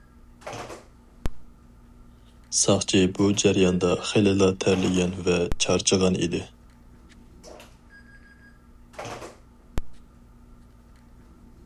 ساقچى بۇ جەرياندا خېلىلا تەرلىگەن ۋە چارچىغان ئىدى.